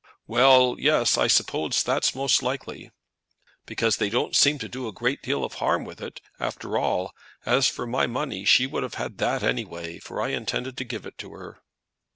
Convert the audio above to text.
"Well, yes; I suppose that's most likely." "Because they don't seem to do a great deal of harm with it after all. As for my money, she would have had that any way, for I intended to give it to her."